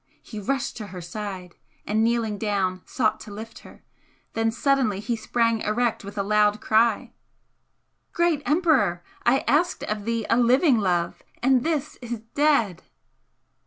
He rushed to her side, and kneeling down sought to lift her; then suddenly he sprang erect with a loud cry: "Great Emperor! I asked of thee a living love! and this is dead!"